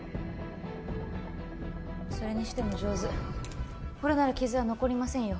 それにしても上手これなら傷は残りませんよ